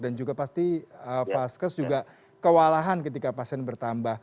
dan juga pasti vaskes juga kewalahan ketika pasien bertambah